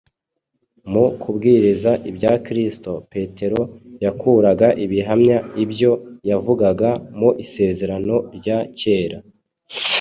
Mu kubwiriza ibya Kristo, Petero yakuraga ibihamya ibyo yavugaga mu Isezerano rya Kera.